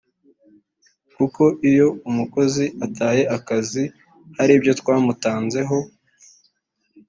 Kuko iyo umukozi yataye akazi hari ibyo twamutanzeho